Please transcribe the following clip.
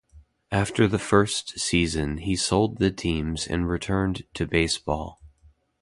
After the first season, he sold the teams and returned to baseball.